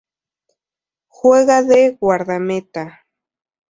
Juega de Guardameta.